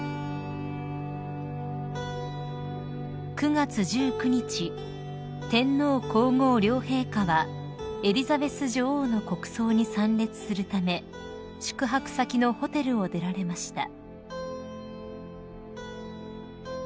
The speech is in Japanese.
［９月１９日天皇皇后両陛下はエリザベス女王の国葬に参列するため宿泊先のホテルを出られました］